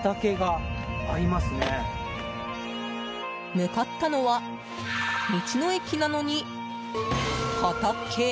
向かったのは道の駅なのに畑？